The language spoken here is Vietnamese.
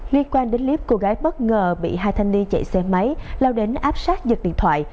liên quan đến clip cô gái bất ngờ bị hai thanh niên chạy xe máy lao đến áp sát giật điện thoại